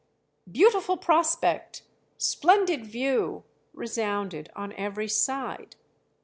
"Beautiful prospect!" "Splendid view!" resounded on every side.